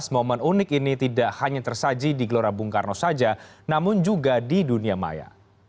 momen unik ini tidak hanya tersaji di gelora bung karno saja namun juga di dunia maya